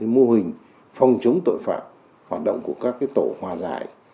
mô hình phòng chống tội phạm hoạt động của các tổ hòa giải